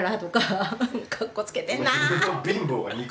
かっこつけてんなぁ！って。